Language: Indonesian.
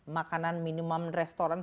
makanan minimum restoran